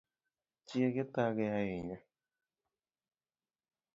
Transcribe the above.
Chiege thage ahinya